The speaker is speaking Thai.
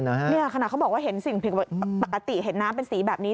เนี่ยขณะเขาบอกว่าเห็นสิ่งผิดปกติเห็นน้ำเป็นสีแบบนี้